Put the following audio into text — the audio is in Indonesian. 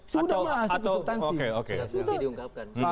sudah masuk ke substansi